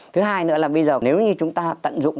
thứ hai nữa là bây giờ nếu như chúng ta tận dụng